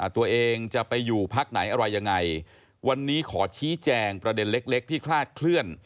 ตัวเองจะไปอยู่พักไหนอะไรยังไงวันนี้ขอชี้แจงประเด็นเล็กที่คลาดเคลื่อน